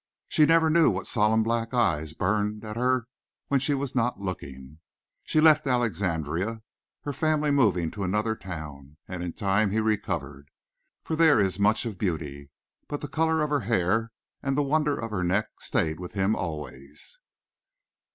She never knew what solemn black eyes burned at her when she was not looking. She left Alexandria, her family moving to another town, and in time he recovered, for there is much of beauty. But the color of her hair and the wonder of her neck stayed with him always.